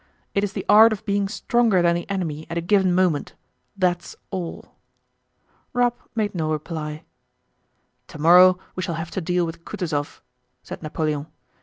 "It is the art of being stronger than the enemy at a given moment. That's all." Rapp made no reply. "Tomorrow we shall have to deal with Kutúzov!" said Napoleon.